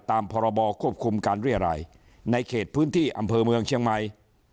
พรบควบคุมการเรียรัยในเขตพื้นที่อำเภอเมืองเชียงใหม่